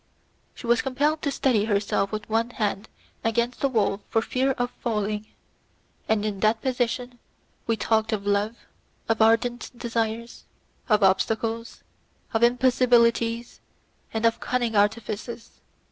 She was compelled to steady herself with one hand against the wall for fear of falling, and in that position we talked of love, of ardent desires, of obstacles, of impossibilities, and of cunning artifices.